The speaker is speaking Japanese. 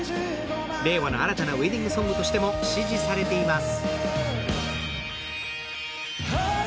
令和の新たなウェディングソングとしても支持されています。